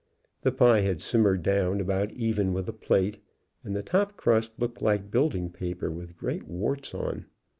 The pie had simmered down about even with the plate and the top crust looked like building paper, with great warts on.